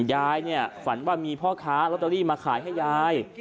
ยายเนี่ยฝันว่ามีพ่อค้าลอตเตอรี่มาขายให้ยาย